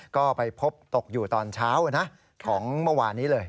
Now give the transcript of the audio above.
ก็ไปพบตกอยู่ตอนเช้าของเมื่อวานนี้เลย